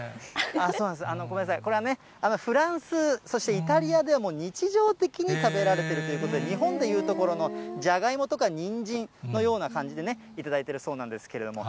そうなんです、ごめんなさい、これはね、フランス、そしてイタリアでも日常的に食べられているということで、日本でいうところの、ジャガイモとかニンジンのような感じで頂いているそうなんですけれども。